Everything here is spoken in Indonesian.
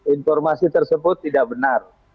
informasi tersebut tidak benar